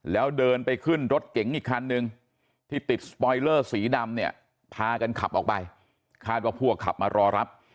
แล้วเดินไปขึ้นรถเก๋งอีกคันนึงที่ติดสปอยเลอร์สีดำเนี่ยพากันขับออกไปคาดว่าพวกขับมารอรับ